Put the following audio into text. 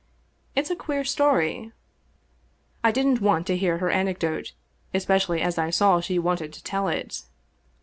" It's a queer story." I didn't want to hear her anecdote, especially as I saw she wanted to tell it.